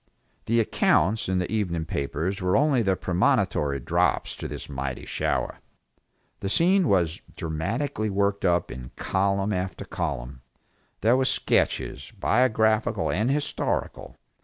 The accounts in the evening papers were only the premonitory drops to this mighty shower. The scene was dramatically worked up in column after column. There were sketches, biographical and historical.